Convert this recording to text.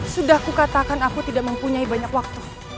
sudah aku katakan aku tidak mempunyai banyak waktu